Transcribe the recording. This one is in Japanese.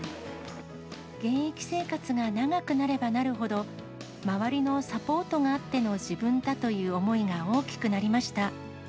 現役生活が長くなればなるほど、周りのサポートがあっての自分だという思いが大きくなりました。